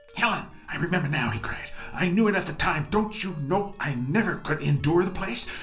"Helen! I remember now," he cried. "I knew it at the time! Don't you know I never could endure the place?